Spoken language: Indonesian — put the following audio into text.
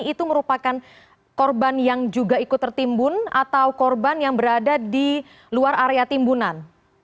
itu merupakan korban yang juga ikut tertimbun atau korban yang berada di luar area timbunan